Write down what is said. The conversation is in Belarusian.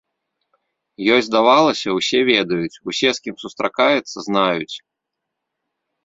Ёй здавалася, усе ведаюць, усе, з кім сустракаецца, знаюць.